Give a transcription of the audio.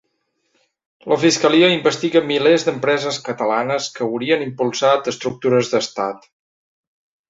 "La fiscalia investiga milers d'empreses catalanes que haurien impulsat estructures d'estat"